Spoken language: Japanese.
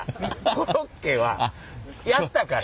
コロッケはやったから。